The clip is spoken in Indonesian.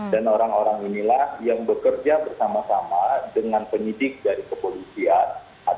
dan orang orang inilah yang bekerja bersama sama dengan penyidik dari kepolisian